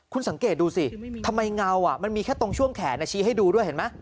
คุณสังเกตดูสิทำไมเงามันมีแค่ตรงช่วงแขนชี้ให้ดูด้วยเห็นไหม